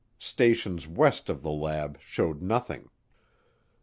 Stations west of the lab showed nothing.